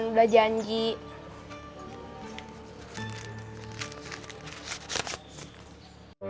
ini udah ajar aja piok piok ya rabbit